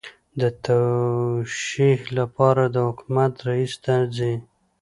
د توشیح لپاره د حکومت رئیس ته ځي.